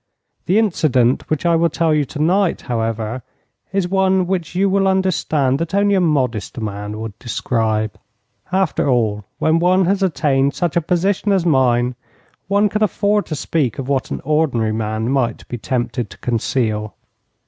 The incident which I will tell you tonight, however, is one which you will understand that only a modest man would describe. After all, when one has attained such a position as mine, one can afford to speak of what an ordinary man might be tempted to conceal.